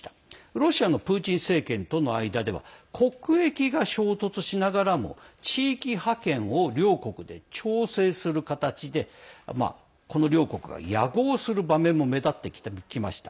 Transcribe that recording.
ロシアのプーチン政権との間では国益が衝突しながらも地域覇権を両国で調整する形で両国が野合する場面が目立ってきました。